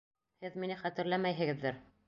Һеҙ мине хәтерләмәйһегеҙҙер.